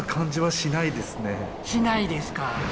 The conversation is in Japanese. しないですか。